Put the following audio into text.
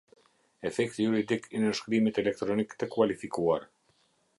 Efekti juridik i nënshkrimit elektronik të kualifikuar.